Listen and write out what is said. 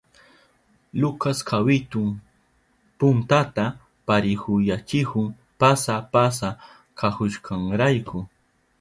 Lucas kawitun puntata parihuyachihun pasa pasa kahushkanrayku.